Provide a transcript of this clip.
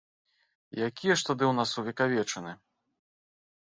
Якія ж тады ў нас увекавечаны?